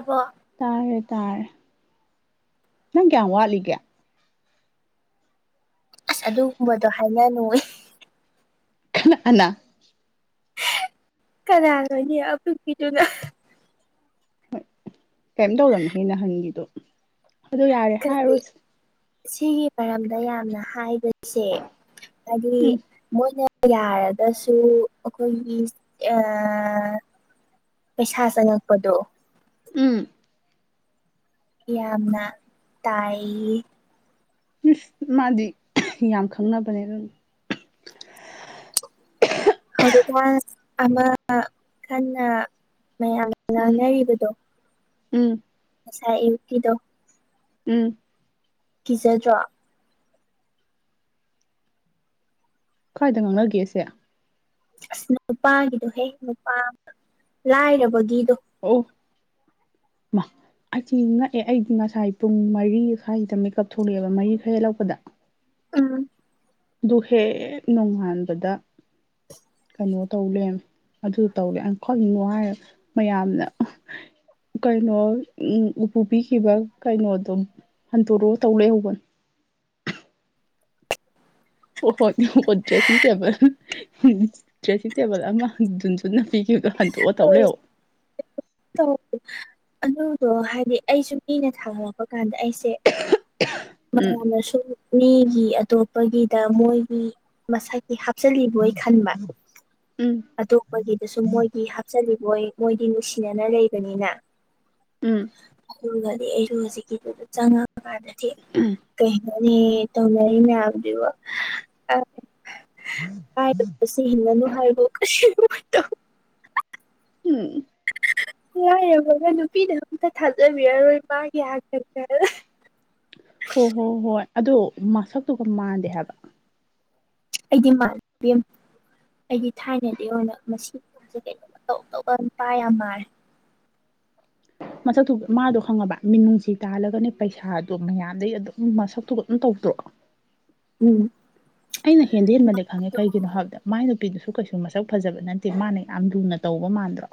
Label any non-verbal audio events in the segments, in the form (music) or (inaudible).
ꯑꯕꯣ ꯇꯥꯔꯦ ꯇꯥꯔꯦ ꯅꯪ ꯀꯌꯥꯝ ꯋꯥꯠꯂꯤꯒꯦ ꯑꯁ ꯑꯗꯨꯒꯨꯝꯕꯗꯣ ꯍꯥꯏꯅꯅꯨ ꯀꯅꯥ ꯑꯅꯥ ꯀꯅꯥꯅꯣꯅꯤ ꯄꯤꯗꯨꯒ ꯍꯣꯏ ꯀꯔꯤꯝ ꯇꯧꯗꯕꯅꯤ ꯍꯦ ꯅꯍꯟꯒꯤꯗꯣ ꯑꯗꯨ ꯌꯥꯔꯦ ꯀꯔꯤ ꯍꯥꯏꯔꯨꯔꯁꯤ ꯁꯤꯒꯤ ꯃꯔꯝꯗ ꯌꯥꯝꯅ ꯍꯥꯏꯕꯁꯦ ꯍꯥꯏꯗꯤ ꯃꯣꯏꯅ ꯌꯥꯥꯔꯒꯁꯨ ꯑꯩꯈꯣꯏꯒꯤ ꯄꯩꯁꯥ ꯆꯉꯛꯄꯗꯣ ꯎꯝ ꯌꯥꯝꯅ ꯇꯥꯏ ꯃꯥꯗꯤ ꯌꯥꯝ ꯈꯪꯅꯕꯅꯦ ꯑꯗꯨꯝ ꯍꯧꯗꯥ ꯑꯃ ꯀꯟꯅ ꯃꯌꯥꯝ ꯎꯝ ꯉꯥꯡꯅꯔꯤꯕꯗꯣ ꯎꯝ ꯁꯥꯏ ꯌꯨꯤꯗꯣ ꯎꯝ ꯀꯤꯖꯗ꯭ꯔꯣ ꯈ꯭ꯋꯥꯏꯗ ꯉꯥꯡꯅꯒꯦꯁꯦ ꯑꯁ ꯅꯨꯄꯥꯒꯤꯗꯣꯍꯦ ꯅꯨꯄꯥ ꯂꯥꯏꯔꯕꯒꯤꯗꯣ ꯑꯣ ꯑꯁꯤ ꯉꯛꯑꯦ ꯑꯩꯗꯤ ꯉꯁꯥꯏ ꯄꯨꯡ ꯃꯔꯤ ꯁ꯭ꯋꯥꯗ ꯃꯦꯀꯑꯞ ꯊꯣꯛꯂꯛꯑꯦꯕ ꯃꯔꯤ ꯈꯔ ꯍꯦꯜꯂꯛꯄꯗ ꯎꯝ ꯗꯨꯍꯦ ꯅꯣꯡꯉꯥꯟꯕꯗ ꯩꯅꯣ ꯇꯧꯦ ꯑꯗꯨ ꯇꯧꯔꯦ ꯀꯛꯅꯣ ꯍꯥꯏ ꯃꯌꯥꯝꯅ ꯀꯩꯅꯣ ꯎ ꯎꯄꯨ ꯄꯈꯤꯕ ꯀꯩꯅꯣꯗꯣ ꯍꯟꯗꯣꯔꯛꯑꯣ ꯇꯧ ꯂꯩꯦꯍꯧꯕ ꯑꯣ ꯍꯣꯏ ꯗ꯭ꯔꯦꯁꯤꯡ ꯇꯦꯕꯜ ꯗ꯭ꯔꯦꯁꯤꯡ ꯇꯦꯕꯜ ꯑꯃ ꯟꯖꯨꯟꯅ ꯄꯤꯈꯤꯕ ꯥꯟ ꯇꯧ ꯂꯩꯦꯣ (unintelligible) ꯇꯧ ꯑꯗꯨꯗꯣ ꯍꯥꯏꯗꯤ ꯑꯩꯁꯨ ꯃꯤꯅ ꯊꯥꯒꯠꯂꯛꯄ ꯀꯥꯟꯗ ꯑꯩꯁꯦ ꯎꯝ ꯃꯌꯥꯝꯅꯁꯨ ꯃꯤꯒꯤ ꯑꯇꯣꯞꯄꯒꯤꯗ ꯃꯣꯏꯒꯤ ꯃꯁꯥꯏꯒꯤ ꯍꯥꯞꯆꯜꯂꯤꯕꯣꯏ ꯈꯟꯕ ꯎꯝ ꯑꯇꯣꯞꯄꯒꯤꯗꯁꯨ ꯃꯣꯏꯒꯤ ꯍꯥꯞꯆꯜꯂꯤꯕ ꯃꯣꯏ ꯃꯣꯏꯗꯤ ꯅꯨꯡꯁꯤꯅꯅ ꯂꯩꯕꯅꯤꯅ ꯎꯝ ꯑꯗꯨꯒ ꯩꯅꯣ ꯍꯧꯖꯤꯦ ꯀ ꯆꯉꯒꯥꯔ ꯎꯝ ꯑ ꯇꯧ ꯂꯩꯥꯏꯅꯦ ꯍꯥꯗꯕ ꯑ ꯀꯔꯤꯕ ꯁꯤ ꯍꯤꯡꯒꯅꯨ ꯍꯥꯏꯕꯣ ꯀꯧ ꯎꯝ ꯌꯥꯏꯔꯦ ꯍꯒ ꯅꯨꯄꯤꯗ ꯑꯝꯇ ꯊꯥꯖꯕꯤꯔꯔꯣꯏ ꯃꯥꯒꯤ ꯍꯥꯛꯀꯛꯇ (unintelligible) ꯍꯣꯏ ꯍꯣ ꯍꯣꯏ ꯑꯗꯨ ꯃꯁꯛꯇꯨꯒ ꯃꯥꯟꯗꯦ ꯍꯥꯏꯕ ꯑꯩꯗꯤ ꯃꯥꯥꯟ ꯑꯩꯒꯤ ꯊꯥꯏꯅꯗꯤ ꯑꯣꯏꯅ ꯃꯁꯤꯁꯦ ꯀꯩꯅꯣ ꯇꯧ ꯇꯧꯔꯒ ꯅꯨꯄꯥ ꯌꯥꯝ ꯃꯥꯔꯦ ꯃꯁꯛꯇꯨ ꯃꯥꯗꯣ ꯈꯪꯉꯕ ꯃꯤꯅꯨꯡꯁꯤ ꯇꯥꯜꯂꯒꯅꯦ ꯄꯩꯁꯥꯗꯣ ꯃꯌꯥꯝꯗꯩ ꯑꯗꯨꯝ ꯃꯁꯛꯇꯨꯒ ꯑꯗꯨꯝ ꯇꯧ ꯎꯝ ꯑꯩꯅ ꯍꯦꯟꯗ ꯍꯦꯟꯃꯂꯦ ꯈꯪꯉꯦ ꯑꯗꯣ ꯀꯩꯒꯤꯅꯣ ꯍꯥꯏꯕꯗ ꯃꯥꯏ ꯅꯨꯄꯤꯗꯨꯁꯨ ꯀꯩꯁꯨ ꯃꯁꯛ ꯐꯖꯕ ꯅꯠꯇꯦ ꯃꯥꯅ ꯌꯥꯝ ꯂꯨꯅ ꯇꯧꯕ ꯃꯥꯟꯗ꯭ꯔꯣ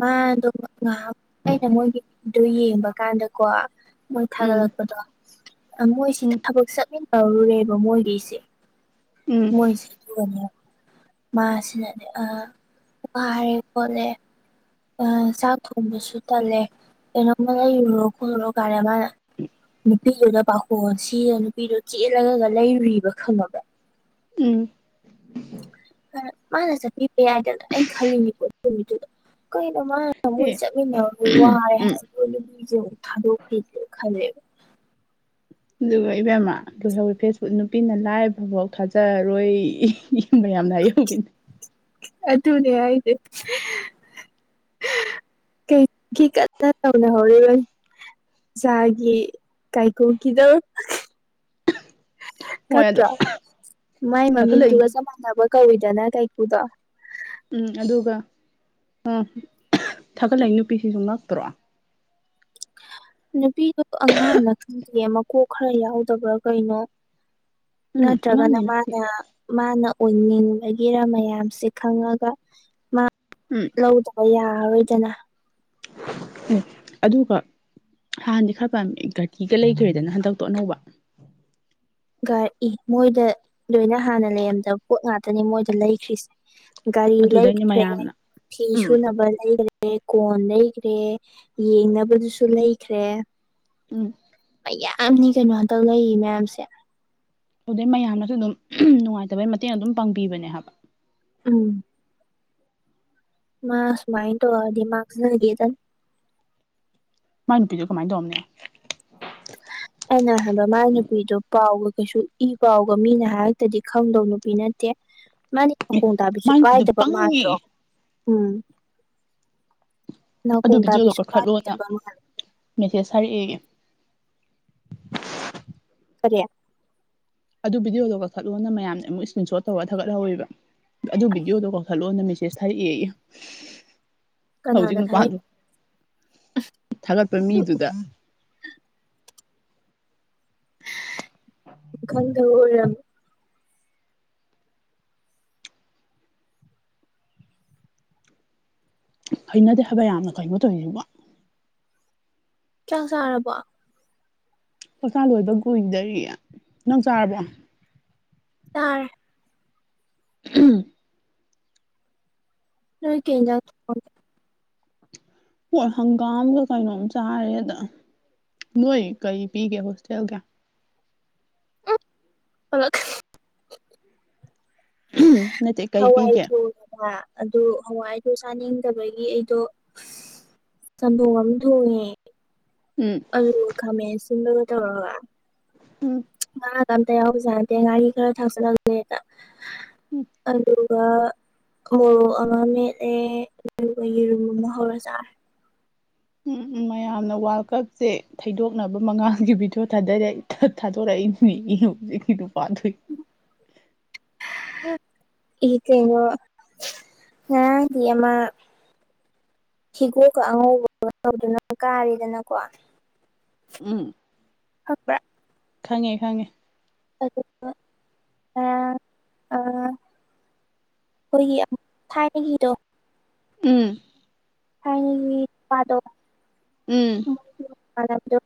ꯃꯥꯗꯣ ꯉꯥꯏꯍꯥꯛ ꯑꯩꯅ ꯃꯣꯏꯒꯤꯗꯨ ꯌꯦꯡꯕ ꯀꯥꯟꯗꯀꯣ ꯃꯣꯏ ꯎꯝ ꯊꯥꯒꯠꯂꯛꯄꯗꯣ ꯃꯣꯏꯁꯤ ꯎꯝ ꯊꯕꯛ ꯆꯠꯃꯤꯟꯅꯧꯔꯨꯔꯦꯕ ꯃꯣꯏꯒꯤꯁꯦ ꯎꯝ ꯃꯣꯏꯁꯤ ꯃꯥꯁꯤꯅꯅꯦ ꯑ ꯋꯥꯔꯦ ꯄꯣꯠꯂꯦ ꯆꯥꯛ ꯊꯣꯡꯕꯁꯨ ꯇꯜꯂꯦ ꯀꯩꯅꯣꯝꯃꯅ ꯏꯨꯔꯣ ꯈꯣꯠꯂꯨꯔꯣ ꯀꯥꯟꯗ ꯃꯥꯅ ꯅꯨꯄꯤꯗꯨꯗ ꯄꯥꯈꯣ ꯁꯤꯒ ꯅꯨꯄꯤꯗꯨ ꯆꯦꯜꯂꯒꯒ ꯂꯩꯔꯨꯔꯤꯕ ꯈꯪꯉꯕ ꯏ ꯃꯥꯅ ꯆꯠꯄꯤꯕ ꯌꯥꯏꯗꯅ ꯑꯩꯅ ꯈꯜꯂꯤꯅꯤꯤꯀꯣ ꯅꯨꯃꯤꯠꯇꯨꯗ ꯀꯩꯅꯣ ꯃꯥ ꯑꯦ ꯃꯣꯏ ꯆꯠꯃꯤꯟꯅꯔ ꯋꯥꯔꯦ ꯎꯝ ꯍꯥꯏꯕꯗꯣ ꯅꯨꯄꯤꯁꯦ ꯑꯃꯨꯛ ꯊꯥꯗꯣꯛꯈ꯭ꯔꯤꯁꯦ ꯈꯜꯂꯦꯕ ꯑꯗꯨꯒ ꯏꯕꯦꯝꯃ ꯂꯣꯏꯍꯧꯋꯤ ꯐꯦꯁꯕꯨꯛ ꯅꯨꯄꯤꯅ ꯂꯥꯏꯚ ꯐꯕꯥꯎ ꯊꯥꯖꯔꯔꯣꯏ ꯌꯦꯡꯕ ꯌꯥ ꯌꯥꯝꯅꯌꯦ ꯑꯗꯨ ꯇꯅꯦ ꯍꯥꯏꯗ ꯀꯩ ꯀ ꯇꯅ ꯍꯧꯔ ꯒꯦ ꯀꯥꯏꯀꯣ ꯀꯗꯣ ꯍꯣꯏ ꯑꯗꯣ ꯀꯠꯇ꯭ꯔꯣ ꯃꯥꯏ ꯊꯥꯒꯠꯂꯛꯏ ꯃꯃꯤꯡꯗꯨꯒ ꯆꯞ ꯃꯥꯟꯅꯕ ꯀꯧꯏꯗꯅ ꯀꯥꯏꯀꯨꯗꯣ ꯎꯝ ꯑꯗꯨꯒ ꯎ ꯊꯥꯒꯠꯂꯛꯏ ꯅꯨꯄꯤꯁꯤꯁꯨ ꯉꯥꯛꯇ꯭ꯔꯣ ꯅꯨꯄꯤꯗꯨꯣ ꯑꯉꯥꯡꯅ ꯈꯪꯗꯦ ꯃꯀꯣꯛ ꯈꯔ ꯌꯥꯎꯗꯕ꯭ꯔꯥ ꯀꯩꯅꯣ ꯎꯝ ꯅꯠꯇ꯭ꯔꯒꯅ ꯑꯉꯥꯡꯗꯤ ꯅꯠꯇꯦ ꯃꯥꯅ ꯃꯥꯅ ꯑꯣꯏꯅꯤꯡꯕꯒꯤꯔꯥ ꯃꯌꯥꯝꯁꯦ ꯈꯪꯉꯒ ꯎꯝ ꯂꯧꯗ ꯌꯥꯔꯣꯏꯗꯅ ꯎ ꯑꯗꯨꯒ ꯍꯥꯟꯅꯗꯤ ꯈꯔ ꯄꯥꯝꯃꯤ ꯒꯥꯇꯤꯗ ꯂꯩꯈ꯭ꯔꯦꯗꯅ ꯍꯟꯗꯛꯇꯤ ꯑꯅꯧꯕ ꯒꯥꯔ ꯏ ꯃꯣꯏꯗ ꯂꯣꯏꯅ ꯍꯥꯟꯅ ꯂꯩꯔꯝꯗꯕ ꯄꯣꯠ ꯉꯥꯛꯇꯅꯦ ꯃꯣꯏꯗ ꯂꯩꯈ꯭ꯔꯤꯁꯦ ꯒꯥꯔꯤ ꯑꯗꯨꯗꯩꯅꯦ ꯂꯩꯈ꯭ꯔꯦ ꯃꯌꯥꯝꯅ ꯐꯤ ꯎꯝ ꯁꯨꯅꯕ ꯂꯩꯈ꯭ꯔꯦ ꯀꯣꯟ ꯂꯩꯈ꯭ꯔꯦ ꯌꯦꯡꯅꯕꯗꯨꯁꯨ ꯂꯩꯈ꯭ꯔꯦ ꯎꯝ ꯌꯥꯝꯅꯤ ꯀꯩꯅꯣꯇꯧ ꯂꯩ ꯃꯌꯥꯝꯁꯦ ꯑꯗꯨꯗꯩ ꯃꯌꯥꯝꯅꯁꯨ ꯑꯗꯨꯝ ꯅꯨꯡꯉꯥꯏꯇꯕꯩ ꯃꯇꯦꯡ ꯑꯗꯨꯝ ꯄꯥꯡꯕꯤꯕꯅꯦ ꯍꯥꯏꯕ ꯎꯝ ꯃꯥ ꯁꯨꯃꯥꯟ ꯇꯧꯔꯗꯤ ꯃꯥꯡꯖꯒꯦꯗꯅꯤ ꯃꯥꯏ ꯅꯨꯄꯤꯗꯨ ꯀꯃꯥꯏ ꯇꯧꯔꯝꯅꯤ (inaudible) ꯑꯩꯅ ꯍꯥꯏꯕ ꯃꯥꯒꯤ ꯅꯨꯄꯤꯗꯨ ꯄꯥꯎꯒ ꯀꯩꯁꯨ ꯏ ꯄꯥꯎꯒ ꯃꯤꯅ ꯍꯥꯏꯔꯛꯇꯔꯗꯤ ꯈꯪꯗꯧ ꯅꯨꯄꯤ ꯅꯠꯇꯦ ꯃꯥꯅꯦ ꯃꯈꯣꯡ ꯇꯥꯕꯤꯁꯨ ꯃꯥꯏ ꯅꯨꯄꯤꯗꯣ ꯄꯥꯏꯗꯕ ꯄꯪꯉꯦ ꯃꯥꯟꯗ꯭ꯔꯣ ꯎꯝ ꯑꯗꯨ ꯅꯥꯀꯣꯡ ꯚꯗꯤꯑꯣꯒꯣ ꯇꯥꯕꯤꯁꯨ ꯀꯛꯈꯠꯂꯣꯅ ꯄꯥꯏꯗꯕ ꯃꯦꯁꯦꯖ ꯁꯥꯔꯑ ꯐꯌꯥ ꯑꯗꯨ ꯚꯗꯤꯑꯣꯗꯣ ꯀꯛꯊꯠꯂꯣꯅ ꯃꯌꯥꯝꯅ ꯑꯃꯨꯛ ꯏꯁꯀ꯭ꯔꯤꯟ ꯁꯣꯠ ꯇꯧꯒ ꯊꯥꯒꯠꯍꯧꯋꯦꯕ ꯑꯗꯨ ꯚꯤꯗꯤꯑꯣꯗꯣ ꯀꯧꯊꯠꯂꯛꯑꯣꯅ ꯃꯦꯁꯦꯁ ꯊꯥꯔꯛꯑꯦ ꯀꯅꯥꯅ ꯊꯥꯏ ꯊꯒꯠꯄ ꯃꯤꯗꯨꯗ ꯀꯗ ꯑꯣꯏꯔ ꯀꯩꯅꯗꯦ ꯍꯥꯏꯕ ꯌꯥꯝꯅ ꯀꯩꯅꯣ ꯇꯧꯔꯤꯁꯤꯕ ꯀꯌꯥ ꯁꯥꯥꯔꯕꯣ ꯄꯀꯥ ꯂꯣꯏꯕ ꯀꯨꯏꯗꯔꯤ ꯅꯪ ꯆꯥꯔꯕꯣ ꯇꯔꯦ ꯎꯝ ꯅꯣꯏ ꯀ ꯍꯣꯏ ꯍꯪꯒꯥꯝꯒ ꯀꯩꯅꯣꯝ ꯆꯥꯔꯦꯗ ꯅꯣꯏ ꯀꯔꯤ ꯄꯤꯒꯦ ꯍꯣꯁꯇꯦꯜꯗ ꯍꯂꯛ ꯎꯝ ꯍꯥꯋꯥꯏ ꯊꯣꯡꯉꯦꯕ ꯑꯗꯨ ꯍꯋꯥꯏꯗꯨ ꯆꯥꯅꯤꯡꯗꯕꯒꯤ ꯑꯩꯗꯣ ꯆꯝꯊꯣꯡ ꯑꯃ ꯊꯣꯡꯉꯦ ꯎꯝ ꯑꯂꯨꯒ ꯈꯥꯃꯦꯟ ꯑꯁꯤꯟꯕꯒ ꯇꯧꯔꯒ ꯎꯝ ꯉꯥꯒ ꯑꯝꯇ ꯌꯥꯎꯕꯖꯥꯗꯦ ꯉꯥꯔꯤ ꯈꯔ ꯊꯥꯛꯆꯜꯂꯛꯒꯦꯗ ꯎꯝ ꯑꯗꯨ ꯑꯗꯨꯒ ꯃꯣꯔꯣꯛ ꯑꯃ ꯃꯦꯠꯂꯦ ꯑꯗꯨꯒ ꯌꯦꯔꯨꯝ ꯑꯃ ꯍꯧꯔ ꯆꯥꯔꯦ ꯎꯝ ꯃꯌꯥꯝꯅ ꯃꯉꯥꯜ ꯀꯞꯁꯦ ꯊꯩꯗꯣꯛꯅꯕ ꯃꯉꯥꯒꯤ ꯚꯤꯗꯤꯑꯣ ꯊꯥꯗꯔꯛꯦ ꯊꯥꯗꯣꯔꯛꯏ ꯏꯍ ꯄꯥꯊꯣꯏ ꯎ ꯏ ꯀꯩꯅꯣ ꯀ ꯑꯃ ꯍꯤꯒꯣꯛꯀ ꯑꯉꯧꯕꯒ ꯇꯧꯗꯨꯅ ꯀꯥꯔꯤꯗꯅꯀꯣ ꯎꯝ ꯍꯄ ꯈꯪꯉꯦ ꯈꯪꯉꯦ ꯑꯗꯨ ꯑꯩꯈꯣꯏꯒꯤ ꯊꯥꯏꯅꯒꯤꯗꯣ ꯎꯝ ꯍꯥꯏ ꯄꯗꯣ ꯎꯝ ꯑꯔꯗ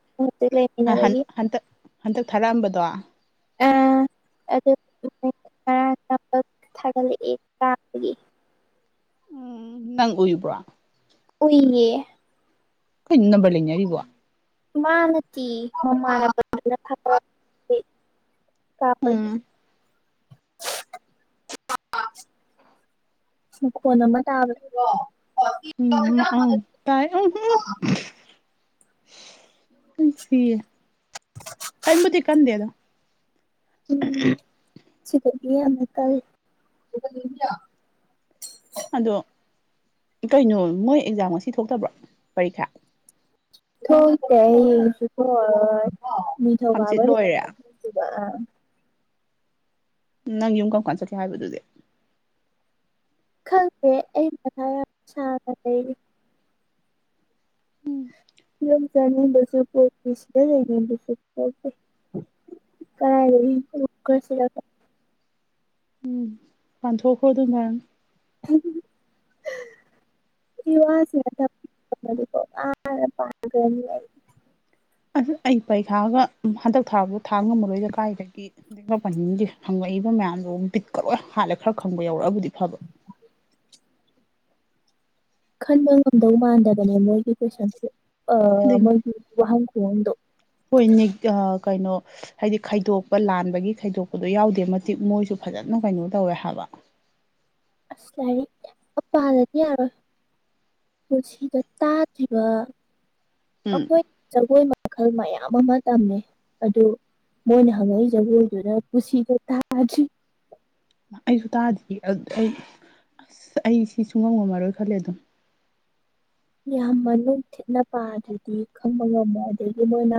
ꯟ ꯍꯟꯇꯛ ꯍꯟꯇꯛ ꯊꯥꯔꯛꯑꯝꯕꯗꯣ ꯑ ꯉꯥꯡ ꯊꯥꯒꯠꯂꯛꯑꯦ ꯅꯪ ꯑꯣꯏꯏꯕ꯭ꯔꯣ ꯑꯣꯏꯏꯌꯦ ꯣꯏ ꯏꯅ ꯄꯜꯂꯤꯦꯔꯤꯔꯤꯕ ꯃꯥꯅꯠꯇ ꯍ ꯃꯥꯅ ꯀꯥꯄꯗꯤ ꯎꯝ ꯃꯈꯣꯟ ꯑꯃ ꯇꯥꯕ ꯎꯝ ꯑ ꯇꯥꯏ ꯑ ꯁꯤꯦ ꯀꯩꯕꯨ ꯆꯀꯥꯟꯗꯦꯗ (unintelligible) ꯁꯤ ꯃ ꯀ ꯑꯗꯣ ꯀꯩꯅꯣ ꯃꯣꯏ ꯑꯦꯛꯖꯥꯝ ꯉꯁꯤ ꯊꯣꯛꯇꯕ꯭ꯔꯣ ꯄꯔꯤꯈꯥ ꯊꯣꯏꯁꯦ ꯑꯩꯡꯁꯨ ꯊ ꯅꯤꯡꯊꯧꯒꯕ ꯍꯪꯆꯤꯠ ꯂꯣꯏꯔꯦ ꯊꯕ ꯅꯪ ꯌꯨꯝ ꯀꯔꯀꯥꯟ ꯆꯠꯀꯦ ꯍꯥꯏꯕꯗꯨꯗꯤ ꯈꯜꯦ ꯂꯩ ꯂꯖꯅꯤ ꯁ ꯄꯁꯅꯦ ꯂꯩꯅꯤꯁ ꯄ ꯀꯥꯏ ꯂꯩ ꯀꯁꯤ ꯄꯥꯟꯊꯣꯛꯈꯣ ꯑꯗꯨ ꯃ (unintelligible) ꯋꯥꯁꯤ ꯑ ꯑꯩ ꯄꯔꯤꯈꯥꯒ ꯍꯟꯗꯛ ꯊꯥ ꯊꯥꯕ ꯉꯝꯃꯔꯣꯏꯗꯦ ꯀꯥꯏꯗꯒꯤ ꯑꯦꯛꯃꯛ ꯄꯟꯅꯤꯡꯗꯦ ꯍꯪꯕꯛꯏ ꯕ ꯃꯌꯥꯝꯗꯣ ꯕꯤꯠꯀꯔꯣꯏ ꯍꯥꯜꯂꯦ ꯈꯔ ꯈꯪꯕ ꯌꯧꯔꯛꯑꯕꯨꯗꯤ ꯐꯕ (unintelligible) ꯈꯟꯕ ꯉꯝꯗꯧ ꯃꯥꯟꯗꯕꯅꯦ ꯃꯣꯏꯒꯤ ꯀꯣꯏꯁꯟꯁꯦ ꯑ ꯀꯥꯏꯗꯩ ꯃꯟ ꯋꯥꯍꯪ ꯀꯗ ꯍꯣꯏ ꯀꯩꯅꯣ ꯍꯥꯏꯗꯤ ꯈꯥꯏꯗꯣꯛꯄ ꯂꯥꯟꯕꯒꯤ ꯈꯥꯏꯗꯣꯛꯄꯗꯣ ꯌꯥꯎꯗꯦ ꯃꯇꯤꯛ ꯃꯣꯏꯁꯨ ꯐꯖꯅ ꯀꯩꯅꯣ ꯇꯧꯋꯦ ꯍꯥꯏꯕ ꯑꯁꯂꯅꯤ ꯑꯄꯥ ꯑꯗꯗꯤ ꯌꯥꯔꯣꯏ ꯄꯨꯟꯁꯤꯗ ꯇꯥꯗ꯭ꯔꯤꯕ ꯎꯝ ꯑꯩꯈꯣꯏ ꯖꯒꯣꯏ ꯃꯈꯜ ꯃꯌꯥꯝ ꯑꯃ ꯇꯝꯃꯦ ꯑꯗꯨ ꯃꯅ ꯍꯪꯉꯩꯖꯒꯗꯅ ꯄꯨꯁꯤꯗ ꯊꯥꯖ ꯑꯩꯁꯨ ꯇꯥꯗ ꯑꯩ ꯑꯁ ꯑꯩ ꯁꯤꯁꯨꯨꯡ ꯉꯝ ꯉꯝꯃꯔꯣꯏ ꯈꯜꯂꯦ ꯑꯗꯨꯝ ꯌꯥꯝ ꯃꯅꯨꯡ ꯊꯤꯠꯅ ꯄꯥꯗ꯭ꯔꯗꯤ ꯈꯪꯕ ꯉꯝꯃꯣꯏ ꯑꯗꯒꯤ ꯃꯣꯏꯅ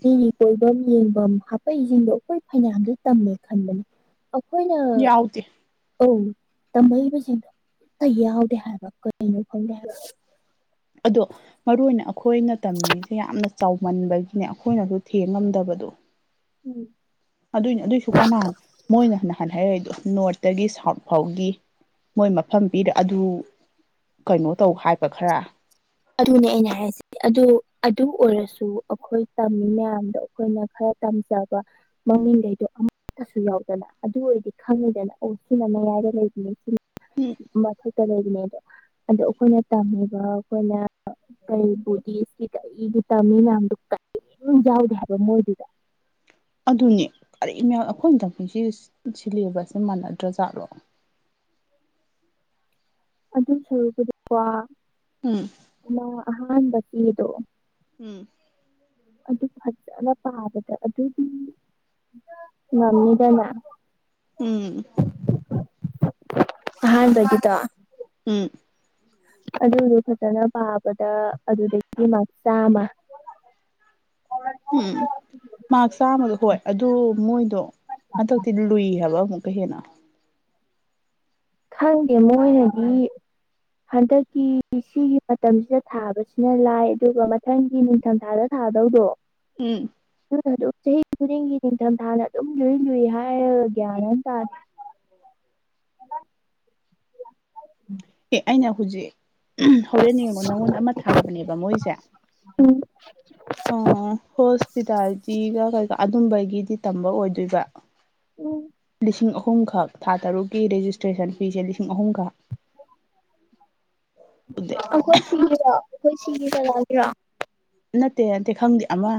ꯃꯤꯔꯤ ꯀꯣꯏꯐꯝ ꯌꯦꯡꯐꯝ ꯍꯥꯄꯛꯁꯤꯡꯗꯣ ꯑꯩꯈꯣꯏ ꯐꯩꯅꯥꯟꯜꯂꯤ ꯇꯝꯃꯦ ꯈꯟꯕꯅꯦ ꯑꯩꯈꯣꯏꯅ ꯌꯥꯎꯗꯦ ꯑ ꯇꯝꯃꯛꯏꯕꯁꯤꯡꯗꯣ ꯑꯇ ꯌꯥꯎꯗꯦ ꯍꯥꯏꯕ ꯀꯩꯅꯣ ꯈꯪꯗꯦ ꯍꯥꯏꯕ ꯑꯗꯣ ꯃꯔꯨ ꯑꯣꯏꯅ ꯑꯩꯈꯣꯏꯅ ꯇꯝꯃꯤꯉꯤꯁꯦ ꯌꯥꯝꯅ ꯆꯥꯎꯃꯟꯕꯒꯤꯅꯦ ꯑꯩꯈꯣꯏꯅꯁꯨ ꯊꯦꯡꯉꯝꯗꯕꯗ ꯎꯝ ꯑꯗꯨꯏꯁꯨ ꯀꯅꯥꯅ ꯃꯣꯏꯅ ꯅꯍꯥꯟ ꯍꯥꯏꯔꯛꯏꯗꯣ ꯅꯣꯔꯠꯇꯒꯤ ꯁꯥꯎꯠ ꯐꯥꯎꯒꯤ ꯃꯣꯏ ꯃꯐꯝ ꯄꯤꯔꯦ ꯑꯗꯨ ꯀꯩꯅꯣ ꯇꯧ ꯍꯥꯏꯕ ꯈꯔ ꯑꯗꯨꯅꯦ ꯑꯩꯅ ꯍꯥꯏꯁꯤꯦ ꯑꯗꯨ ꯑꯗꯨ ꯑꯣꯏꯔꯁꯨ ꯑꯩꯈꯣꯏ ꯇꯝꯃꯤ ꯃꯌꯥꯝꯗꯣ ꯑꯩꯈꯣꯏꯅ ꯈꯔ ꯇꯝꯖꯕ ꯃꯃꯤꯡꯈꯩꯗꯣ ꯑꯃꯠꯇꯁꯨ ꯌꯥꯎꯗꯅ ꯑꯗꯨ ꯑꯣꯏꯔꯗꯤ ꯈꯪꯉꯤꯗꯅ ꯑꯣ ꯁꯤꯅ ꯃꯌꯥꯝ ꯂꯩ ꯃꯊꯛꯇ ꯂꯩꯕꯅꯦ ꯑꯗꯣ ꯑꯣ ꯑꯩꯈꯣꯏꯅ ꯇꯝꯃꯤꯕ ꯑꯩꯈꯣꯏꯅ ꯀꯩꯕꯨꯙꯤꯁꯀꯤ ꯑꯩꯒꯤ ꯇꯃꯤ ꯃꯌꯥꯝꯗꯨ ꯀ ꯎꯝ ꯌꯥꯎꯗꯦ ꯍꯥꯏꯕ ꯃꯣꯏꯗꯤꯗ ꯑꯗꯨꯅꯦ ꯀꯔꯤ ꯑꯩꯈꯣꯏꯅꯗꯁꯤ ꯁꯤꯂꯦꯕꯁꯁꯦ ꯃꯥꯟꯅꯗ꯭ꯔꯖꯥꯠꯂꯣ (unintelligible) ꯑꯗꯨ ꯁꯔꯨꯕꯗꯤꯀꯣ ꯎꯝ ꯑꯃ ꯑꯍꯥꯟꯕ ꯆꯗꯣ ꯎꯝ ꯑꯗꯨ ꯐꯖꯅ ꯄꯥꯕꯗ ꯑꯗꯨꯗꯤ ꯉꯝꯅꯤꯗꯅ ꯎꯝ ꯑꯍꯥꯟꯕꯒꯤꯗꫭ ꯎꯝ ꯑꯗꯨꯗꯨ ꯐꯖꯅ ꯄꯥꯕꯗ ꯑꯗꯨꯗꯒꯤ ꯃꯥꯥꯛ ꯆꯥꯝꯃ (unintelligible) ꯎꯝ ꯃꯥꯛ ꯆꯥꯝꯃꯗꫭ ꯍꯣꯏ ꯑꯗꯨ ꯃꯣꯏꯗꯣ ꯍꯟꯗꯛꯇꯤ ꯂꯨꯏ ꯍꯥꯏꯕ ꯑꯃꯨꯛꯀ ꯍꯦꯟꯅ ꯈꯪꯗꯦ ꯃꯣꯏꯅꯗꯤ ꯍꯟꯗꯛꯀꯤ ꯁꯤꯒꯤ ꯃꯇꯝꯁꯤꯗ ꯊꯥꯕꯁꯤꯅ ꯂꯥꯏ ꯑꯗꯨꯒ ꯃꯊꯪꯒꯤ ꯅꯤꯡꯊꯝ ꯊꯥꯗ ꯊ ꯊꯥꯗꯧꯗꫭ ꯎꯝ ꯑꯗꯨꯝ ꯆꯍꯤ ꯈꯨꯗꯤꯡꯒꯤ ꯅꯤꯡꯊꯝꯊꯥꯅ ꯑꯗꯨꯝ ꯂꯨꯏ ꯂꯨꯏ ꯍꯥꯏ ꯒ꯭ꯌꯥꯟ ꯇꯥ ꯍꯗ ꯑꯦ ꯑꯩꯅ ꯍꯧꯖꯤꯛ ꯍꯣꯔꯦꯟ ꯌꯦꯡꯕ ꯅꯉꯣꯟ ꯑꯃ ꯊꯥꯕꯅꯦꯕ ꯃꯣꯏꯁꯦ ꯎꯝ ꯑ ꯍꯣꯁꯄꯤꯇꯥꯜꯖꯤ ꯀ ꯀꯥꯏ ꯑꯨꯝꯕꯩ ꯗꯤ ꯇꯝꯕ ꯑꯣꯏꯗꯣꯏꯕ ꯎꯝ ꯂꯤꯁꯤꯡ ꯑꯍꯨꯝ ꯑꯍꯨꯝꯈꯛ ꯊꯥ ꯇꯔꯨꯛꯀꯤ ꯔꯦꯖꯤꯁꯇ꯭ꯔꯦꯁꯟ ꯐꯤꯁꯦ ꯂꯤꯁꯤꯡ ꯑꯍꯨꯝꯈꯛ ꯑꯩꯈꯣꯏ ꯁꯤꯒꯤꯔ ꯑꯩꯈꯣꯏ ꯁꯤꯈꯤ ꯆꯔꯁꯤꯦꯔꯥ ꯅꯠꯇꯦ ꯅꯠꯇꯦ ꯈꯪꯗꯦ ꯑꯃ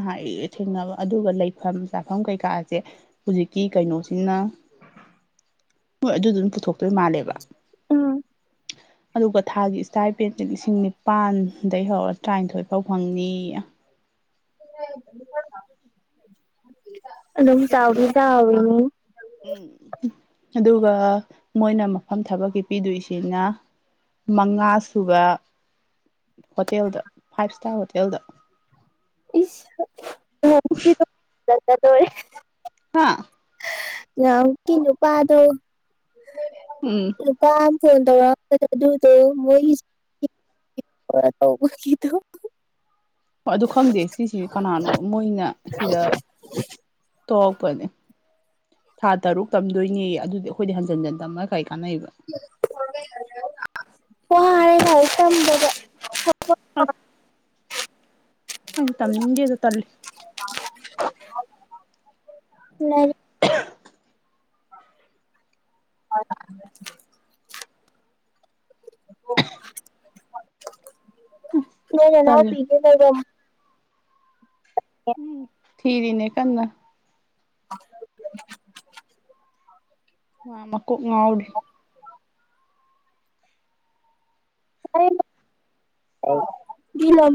ꯊꯦꯡꯅꯕ ꯑꯗꯨꯒ ꯂꯩꯐꯝ ꯆꯥꯐꯝ ꯀꯩꯀꯥꯁꯦ ꯍꯧꯖꯤꯛꯀꯤ ꯀꯩꯅꯣꯁꯤꯅ (inaudible) ꯍꯣꯏ ꯑꯗꯨꯗꯨꯝ ꯄꯨꯊꯣꯛꯇꯣꯏ ꯃꯥꯜꯂꯦꯕ ꯎꯝ ꯑꯗꯨꯒ ꯊꯥꯒꯤ ꯏꯁꯇꯥꯏꯄꯦꯟꯁꯦ ꯂꯤꯁꯤꯡ ꯅꯤꯄꯥꯟꯗꯩ ꯍꯧꯔ ꯇ꯭ꯔꯥꯅꯤꯊꯣꯏ ꯐꯥꯎ ꯐꯪꯅꯤꯌꯦ (unintelligible) ꯑꯗꯨꯝ ꯆꯥꯎꯗꯤ ꯆꯥꯎꯔꯤꯅꯤ ꯎꯝ ꯑꯗꯨꯒ ꯃꯣꯏꯅ ꯃꯐꯝ ꯊꯕꯛꯀꯤ ꯄꯤꯗꯣꯏꯁꯤꯅ ꯃꯉꯥ ꯁꯨꯕ ꯍꯣꯇꯦꯜꯗ ꯐꯥꯏꯚ ꯏꯁꯇꯥꫪ ꯍꯣꯇꯦꯜꯗ ꯏꯁ (unintelligible) (unintelligible) ꯍꯥ ꯅꯍꯥꯃꯨꯛꯀꯤ ꯅꯨꯄꯥꯗꫭ ꯎꯝ ꯅꯨꯄꯥꯝ ꯐꯣꯟ (unintelligible) (unintelligible) ꯍꯣꯏ ꯑꯗꯨ ꯈꯪꯗꯦ ꯁꯤꯁꯤ ꯀꯅꯥꯅꯣ ꯃꯣꯏꯅ ꯁꯤꯗ ꯇꯧꯔꯛꯄꯅꯦ ꯊꯥ ꯇꯔꯨꯛ ꯇꯝꯗꯣꯏꯅꯦ ꯑꯗꯨꯗꯤ ꯑꯩꯈꯣꯏꯗꯤ ꯍꯟꯖꯟ ꯍꯟꯖꯟ ꯇꯝꯃ ꯀꯩ ꯀꯥꯟꯅꯩꯕ ꯋꯥꯏ ꯂꯥꯏꯔꯤꯛ ꯇꯝꯕ ꯑꯁ ꯑꯩꯖꯨ ꯇꯝꯅꯤꯡꯗꯦꯗ ꯇꯜꯂꯤ ꯂꯥꯏꯔꯤꯛ (unintelligible) ꯅꫭꯏ ꯇꯜꯂꯤ ꯅꯅꯥꯎꯄꯤꯒꯤ ꯂꯩꯕꯝ ꯎꯝ (unintelligible) ꯊꯤꯔꯤꯅꯦ ꯀꯟꯅ (unintelligible) ꯃꯥ ꯃꯀꫭꯛ ꯉꯥꯎꯔꯤ (unintelligible)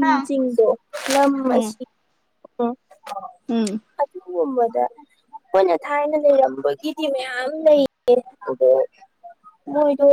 ꯍꯥ ꯆꯤꯡꯗꯣ ꯂꯝ ꯎꯝ ꯑꯁꯤ ꯎꯝ ꯑꯗꯨꯒꯨꯝꯕꯗ ꯑꯩꯈꯣꯏꯅ ꯊꯥꯏꯅ ꯂꯩꯔꯝꯕꯒꯤꯗꯤ ꯃꯌꯥꯝ ꯂꯩꯌꯦ (unintelligible) ꯍꯣꯏꯗ